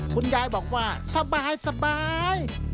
คุณยายบอกว่าสบาย